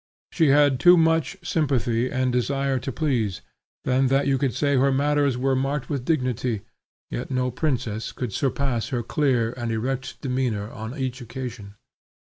She had too much sympathy and desire to please, than that you could say her manners were marked with dignity, yet no princess could surpass her clear and erect demeanor on each occasion.